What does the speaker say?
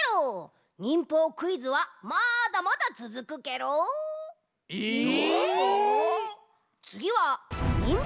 忍法クイズはまだまだつづくケロ。え！？どーも！？